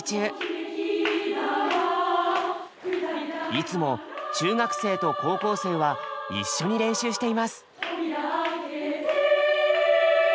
いつも中学生と高校生は一緒に練習しています。